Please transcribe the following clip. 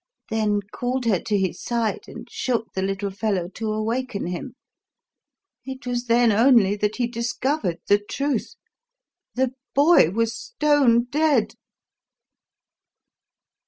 Then called her to his side and shook the little fellow to awaken him. It was then only that he discovered the truth. The boy was stone dead!"